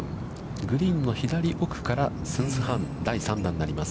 グリーンの左奥からスンス・ハン、第３打になります。